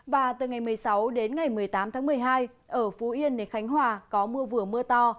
và từ ngày một mươi sáu đến ngày một mươi tám tháng một mươi hai ở phú yên đến khánh hòa có mưa vừa mưa to